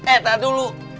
eh tahan dulu